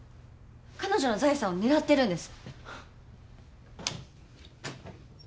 彼女の財産を狙ってるんです。